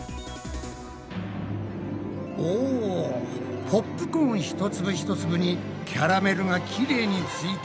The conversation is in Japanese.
おポップコーン一粒一粒にキャラメルがきれいについて。